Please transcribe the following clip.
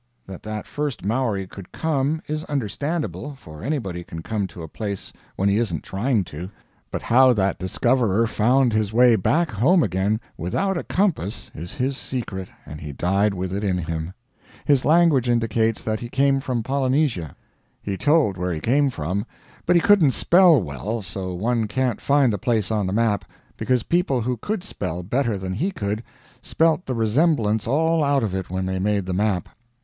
That that first Maori could come, is understandable, for anybody can come to a place when he isn't trying to; but how that discoverer found his way back home again without a compass is his secret, and he died with it in him. His language indicates that he came from Polynesia. He told where he came from, but he couldn't spell well, so one can't find the place on the map, because people who could spell better than he could, spelt the resemblance all out of it when they made the map.